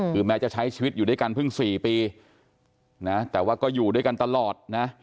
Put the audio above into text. คือแม้จะใช้ชีวิตอยู่ด้วยกันเพิ่ง๔ปีนะแต่ว่าก็อยู่ด้วยกันตลอดนะ